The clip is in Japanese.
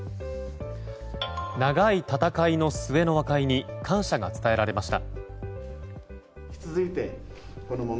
長い闘いの末の和解に感謝が伝えられました。